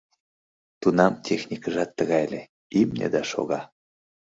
Тунам техникыжат тыгай ыле: имне да шога.